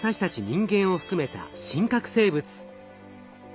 人間を含めた真核生物。